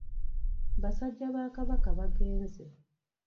Basajja ba Kabaka bagenze.